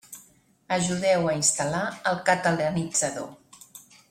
Ajudeu a instal·lar el Catalanitzador.